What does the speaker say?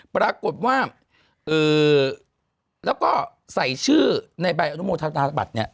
ปรากฏว่าแล้วก็ใส่ชื่อในใบอนุโมทนาบัตรเนี่ย